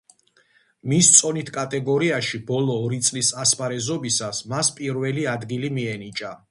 მის წონით კატეგორიაში ბოლო ორი წლის ასპარეზობისას მას პირველი ადგილი მიენიჭა.